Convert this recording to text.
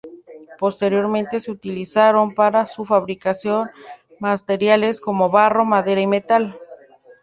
Posteriormente se utilizaron para su fabricación materiales como barro, madera y metal.